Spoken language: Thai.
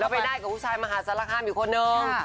ไปได้กับผู้ชายมหาสารคามอยู่คนนึง